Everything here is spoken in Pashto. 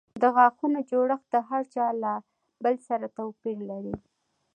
د غاښونو جوړښت د هر چا له بل سره توپیر لري.